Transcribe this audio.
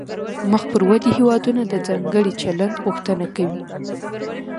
مخ پر ودې هیوادونه د ځانګړي چلند غوښتنه کوي